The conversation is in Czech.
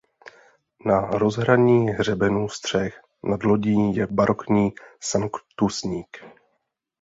Na rozhraní hřebenů střech nad lodí je barokní sanktusník.